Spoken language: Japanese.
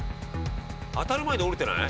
当たる前に折れてない？